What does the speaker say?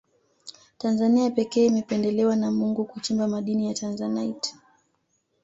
tanzania pekee imependelewa na mungu kuchimba madini ya tanzanite